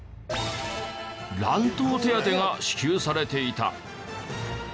乱闘手当が支給されていた。